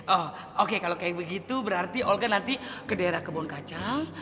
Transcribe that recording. oh oke kalau kayak begitu berarti olga nanti ke daerah kebun kacang